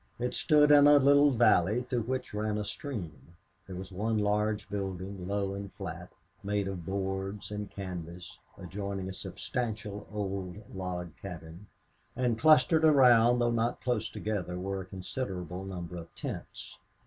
It stood in a little valley through which ran a stream. There was one large building, low and flat, made of boards and canvas, adjoining a substantial old log cabin; and clustered around, though not close together, were a considerable number of tents.